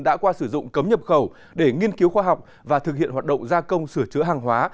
đã qua sử dụng cấm nhập khẩu để nghiên cứu khoa học và thực hiện hoạt động gia công sửa chữa hàng hóa